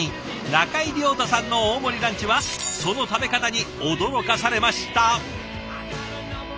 中井涼太さんの大盛りランチはその食べ方に驚かされました。